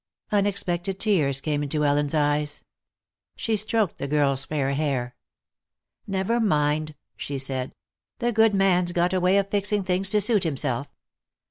Unexpected tears came into Ellen's eyes. She stroked the girl's fair hair. "Never mind," she said. "The Good Man's got a way of fixing things to suit Himself.